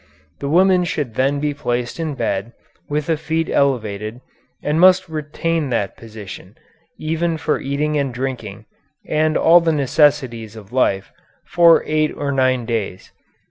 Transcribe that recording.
The woman should then be placed in bed, with the feet elevated, and must retain that position, even for eating and drinking, and all the necessities of life, for eight or nine days.